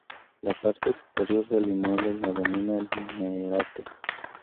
La parte superior del inmueble la domina el minarete.